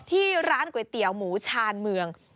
ที่ร้านก๋วยเตี๋ยวหมูชาญเมือง